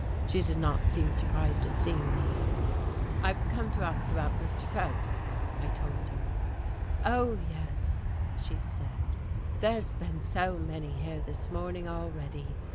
She did not seem surprised at seeing me. "I have come to ask about Mr. Krebs," I told her. "Oh, yes," she said, "there's been so many here this morning already.